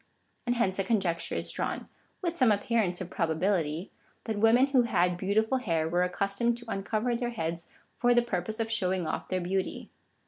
And hence a con jecture is drawn, with some appearance of probability — that women who had beautiful hair were accustomed to uncover their heads for the purpose of showing oif their beauty.